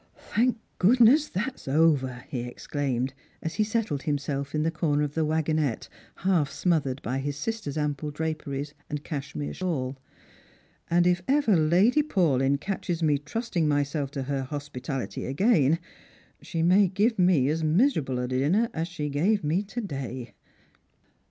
" Thank goodness that's over !" he exclaimed, as he settled himself in a corner of the wagonette, half smothered by his sister's am;)le draperies and cashmere shawl; " and if ever Lady Paulyn catches me trusting myself to her hospitality again, she may give me as miserable a dinner as she gave me to day."